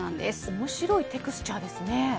おもしろいテクスチャーですね。